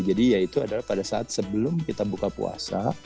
jadi ya itu adalah pada saat sebelum kita buka puasa